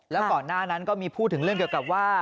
แล้วก่อนหน้านั้นก็มีพูดถึงเรื่องเกี่ยวกับว่า